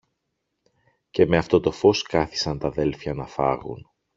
και με αυτό το φως κάθισαν τ' αδέλφια να φάγουν.